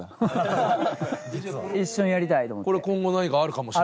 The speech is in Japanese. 一緒にやりたいと思って。